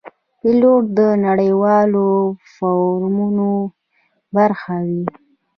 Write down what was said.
پیلوټ د نړیوالو فورمونو برخه وي.